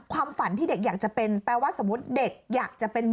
ความฝันที่เด็กอยากจะเป็นแปลว่าสมมุติเด็กอยากจะเป็นหมอ